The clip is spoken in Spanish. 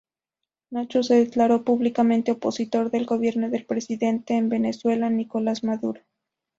Nacho se declaró públicamente opositor del gobierno del presidente de Venezuela, Nicolás Maduro.